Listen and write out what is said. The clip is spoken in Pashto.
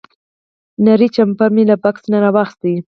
نری جمپر مې له بکس نه راوویست.